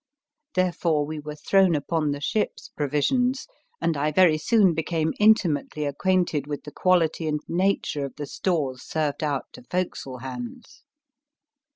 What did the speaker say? Therefore, we were thrown upon the ship s provisions, and I very soon became intimately acquainted with the quality and nature of the stores served out to forecastle hands.